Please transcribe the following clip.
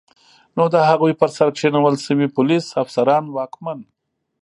نو د هغوی پر سر کینول شوي پولیس، افسران، واکمن